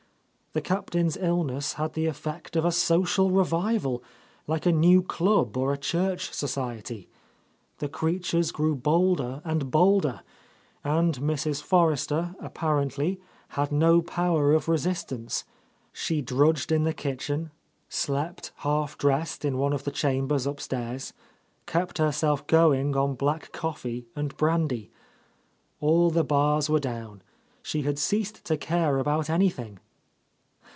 The Cap tain's illness had the effect of a social revival, like a new club or a church society. The creatures grew bolder and bolder, — and Mrs. Forrester, apparently, had no power of resist —138— A Lost Lady ance. She drudged in the kitchen, slept, half dressed, in one of the chambers upstairs, kept her self going on black coffee and brandy. All the bars were down. She had ceased to care about anything.